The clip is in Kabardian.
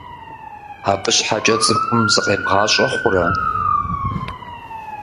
Абы щхьэкӏэ цӏыхум закъебгъащӏэ хъурэ?